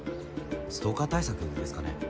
ストーカー対策ですかね。